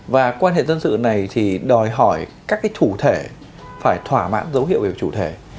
và quan hệ dân sự này đòi hỏi các thủ thể phải thỏa mãn dấu hiệu về chủ thể